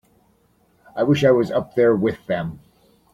I wish I was up there with them.